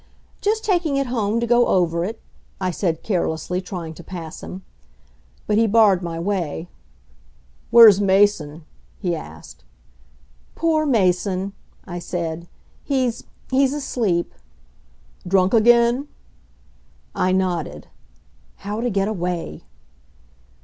"Just taking it home to go over it," I said carelessly, trying to pass him. But he barred my way. "Where's Mason?" he asked. "Poor Mason!" I said. "He's he's asleep." "Drunk again?" I nodded. How to get away!